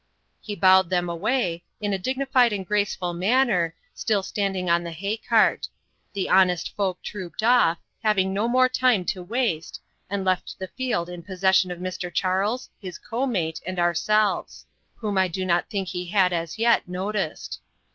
He bowed them away, in a dignified and graceful manner, still standing on the hay cart. The honest folk trooped off, having no more time to waste, and left the field in possession of Mr. Charles, his co mate, and ourselves; whom I do not think he had as yet noticed.